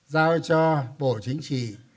giao cho bộ chính trị